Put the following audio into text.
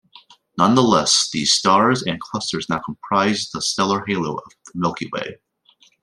Nonetheless, these stars and clusters now comprise the stellar halo of the Milky Way.